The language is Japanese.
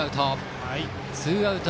ツーアウト。